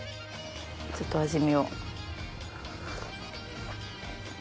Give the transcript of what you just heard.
ちょっと味見を。